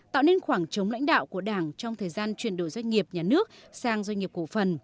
tạo nên khoảng trống lãnh đạo của đảng trong thời gian chuyển đổi doanh nghiệp nhà nước sang doanh nghiệp cổ phần